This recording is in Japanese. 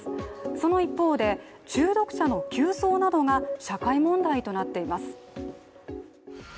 その一方で、中毒者の急増などが社会問題となっています。